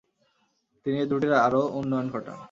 তিনি এ দুটোর আরও উন্নয়ন ঘটান।